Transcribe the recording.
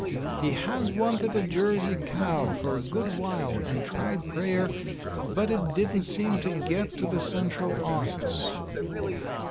He has wanted a Jersey cow for a good while and tried prayer, but it didn't seem to get to the central office.